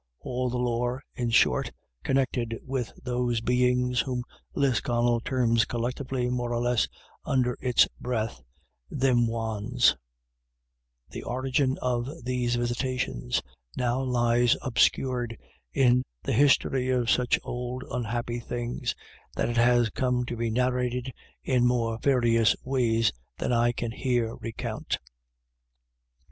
All BACKWARDS AND FORWARDS. 245 the lore, in short, connected with those beings whom Lisconnel terms collectively, more or less under its breath, Tkitn Wans, The origin of these visitations now lies obscured in the history of such old unhappy things, that it has come to be narrated in more various ways than I can here recount.